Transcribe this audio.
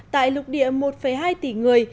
tại lục địa một hai tỷ người